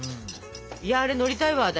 いやあれ乗りたいわ私。